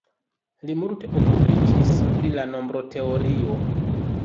Li multe okupiĝis pri la nombroteorio.